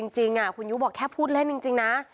จริงคุณยุบอกแค่พูดเล่นจริงนะ